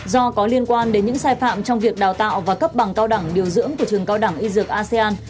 do có liên quan đến những sai phạm trong việc đào tạo và cấp bằng cao đẳng điều dưỡng của trường cao đẳng y dược asean